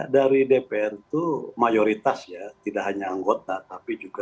dari dpr itu mayoritas tidak hanya anggota